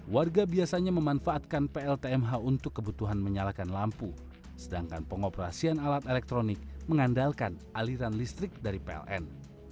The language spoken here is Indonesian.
warga biasanya memanfaatkan pltmh untuk kebutuhan menyalakan lampu sedangkan pengoperasian alat elektronik mengandalkan aliran listrik dari pln